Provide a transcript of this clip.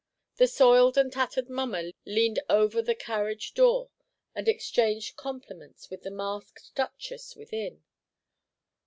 The soiled and tattered mummer leaned over the carriage door and exchanged compliments with the masked duchess within.